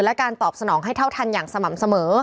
และการตอบสนองให้เท่าทันอย่างสม่ำเสมอ